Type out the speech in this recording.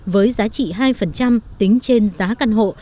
với giá trị hai tính trên giá căn hộ